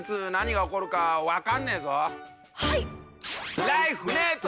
はい！